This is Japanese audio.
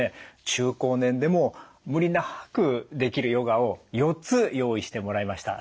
中高年でも無理なくできるヨガを４つ用意してもらいました。